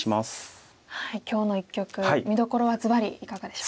今日の一局見どころはずばりいかがでしょうか？